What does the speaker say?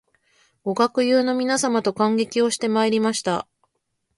ご学友の皆様と観劇をしてまいりました